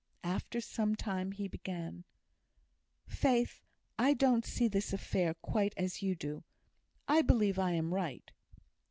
After some time he began: "Faith, I don't see this affair quite as you do. I believe I am right."